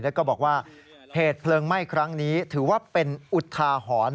แล้วก็บอกว่าเหตุเพลิงไหม้ครั้งนี้ถือว่าเป็นอุทาหรณ์